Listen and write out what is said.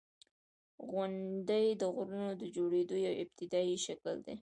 • غونډۍ د غرونو د جوړېدو یو ابتدایي شکل دی.